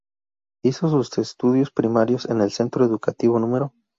Hizo sus estudios primarios en el Centro Educativo No.